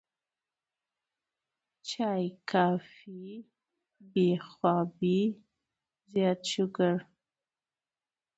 چائے ، کافي ، بې خوابي ، زيات شوګر